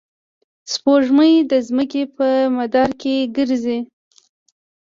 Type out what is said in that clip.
سپوږمۍ د ځمکې په مدار کې ګرځي.